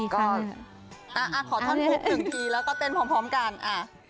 ก็อ่าขอท่อนพรุ่ง๑ทีแล้วก็เต้นพร้อมกันอ่า